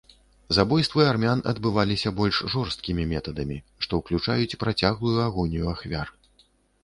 Забойствы армян адбываліся больш жорсткімі метадамі, што ўключаюць працяглую агонію ахвяр.